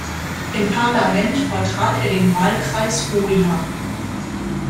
Im Parlament vertrat er den Wahlkreis Hoya.